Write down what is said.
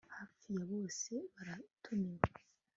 Hafi ya bose baratumiwe